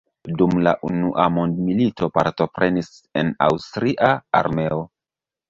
Dum la unua mondmilito partoprenis en aŭstria armeo.